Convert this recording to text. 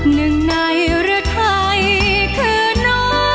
หนึ่งในรักใครคือน้อย